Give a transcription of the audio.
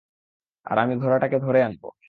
আর, আমি ঘোড়াটাকে ধরে আনব!